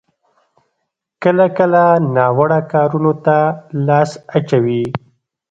کله کله ناوړه کارونو ته لاس اچوي.